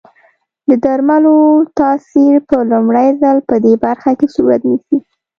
د درملو تاثیر په لومړي ځل پدې برخه کې صورت نیسي.